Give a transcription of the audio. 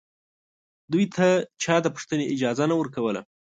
دوی ته چا د پوښتنې اجازه نه ورکوله